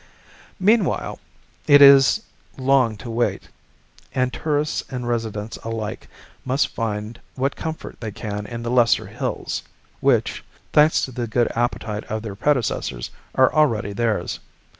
Meanwhile it is long to wait, and tourists and residents alike must find what comfort they can in the lesser hills which, thanks to the good appetite of their predecessors, are already theirs.